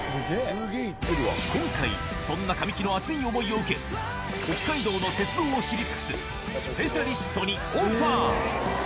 今回、そんな神木の熱い思いを受け、北海道の鉄道を知り尽くすスペシャリストにオファー。